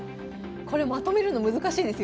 これまとめるの難しいですよ